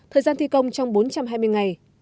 thời gian thi công trong bốn trăm hai mươi ngày